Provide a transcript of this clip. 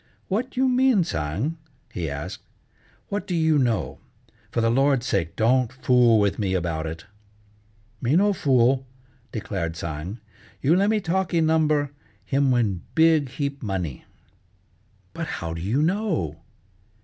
"What you mean, Tsang?" he asked. "What do you know? For the Lord's sake don't fool with me about it!" "Me no fool," declared Tsang. "You le' me talkee number, him win big heap money." "But how do you know?"